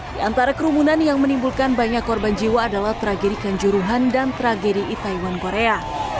di antara kerumunan yang menimbulkan banyak korban jiwa adalah tragedi kanjuruhan dan tragedi itaewon korea